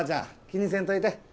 気にせんといて。